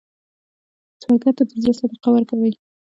سوالګر ته د زړه صدقه ورکوئ